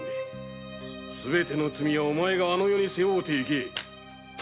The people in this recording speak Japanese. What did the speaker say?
すべての罪はお前があの世へ背負うて行け！